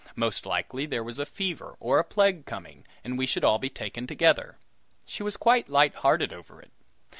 Most likely there was a fever or a plague coming, and we should all be taken together. She was quite light hearted over it!